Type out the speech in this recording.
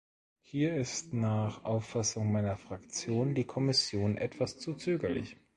Hier ist nach Auffassung meiner Fraktion die Kommission etwas zu zögerlich.